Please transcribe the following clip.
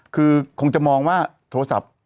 คือคงจะมองว่าโทรศัพท์